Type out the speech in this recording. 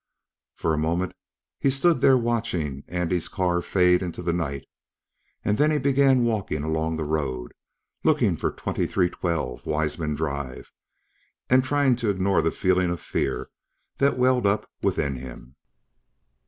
For a moment, he stood there watching Andy's car fade into the night, then he began walking along the road, looking for 2312 Weisman Drive and trying to ignore the feeling of fear that welled up within him.